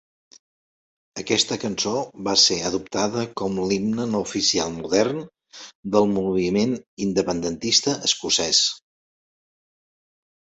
Aquesta cançó va ser adoptada com l'himne no oficial modern del moviment independentista escocès.